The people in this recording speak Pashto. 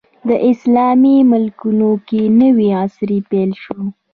په اسلامي ملکونو کې نوی عصر پیل شو.